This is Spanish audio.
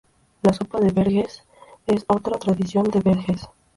La Sopa de Verges es otra tradición de Verges.